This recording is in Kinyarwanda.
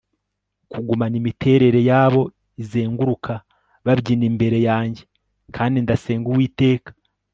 kugumana imiterere yabo izenguruka babyina imbere yanjye, kandi ndasenga uwiteka